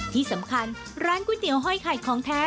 ที่สำคัญร้านก๋วยเตี๋ยวห้อยไข่ของแท้